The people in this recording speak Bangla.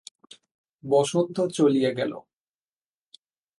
বসন্ত চলিয়া গেল।